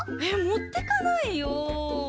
えっもってかないよ！